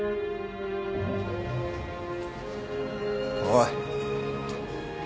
おい。